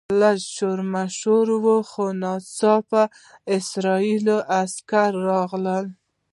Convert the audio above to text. لږ شور ماشور و خو ناڅاپه اسرایلي عسکر راغلل.